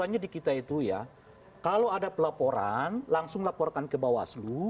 jadi itu ya kalau ada pelaporan langsung laporkan ke bawaslu